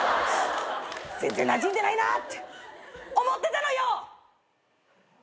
全然なじんでないなって思ってたのよ！